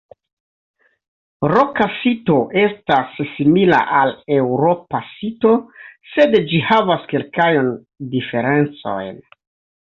Roka sito estas simila al eŭropa sito sed ĝi havas kelkajn diferencojn.